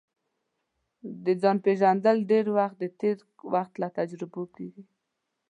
د ځان پېژندل ډېری وخت د تېر وخت له تجربو کیږي